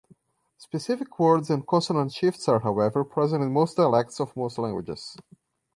Specific words and consonant shifts are, however, present in most dialects of most languages.